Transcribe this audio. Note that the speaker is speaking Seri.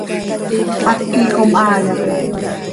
¿Háqui com haaya?